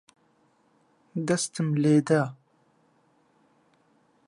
دەستم لێ دا.